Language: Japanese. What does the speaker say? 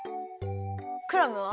クラムは？